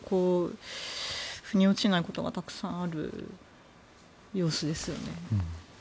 腑に落ちないことがたくさんある様子ですよね。